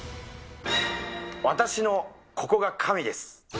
私のここが神です！